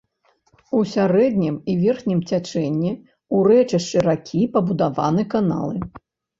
У сярэднім і верхнім цячэнні ў рэчышчы ракі пабудаваны каналы.